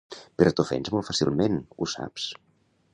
Però t'ofens molt fàcilment, ho saps?